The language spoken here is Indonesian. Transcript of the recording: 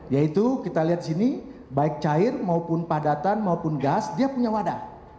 yaitu kita lihat sini baik cair maupun padatan maupun gas dia punya wadah